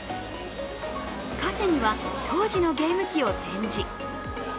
カフェには当時のゲーム機を展示。